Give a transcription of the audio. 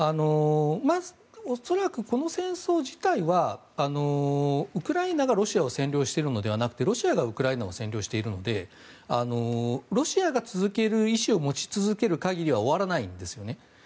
まず、恐らくこの戦争自体はウクライナがロシアを占領しているのではなくてロシアがウクライナを占領しているのでロシアが続ける意思を持ち続ける限りは終わらないんですよね。